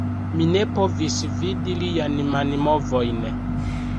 Mi ne povis vidi lian manmovojn